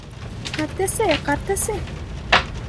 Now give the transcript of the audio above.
— Ҡартәсәй, ҡартәсәй!